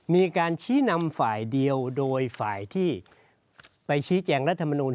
มีการชี้นำฝ่ายเดียวโดยฝ่ายที่ไปชี้แจงรัฐมนูล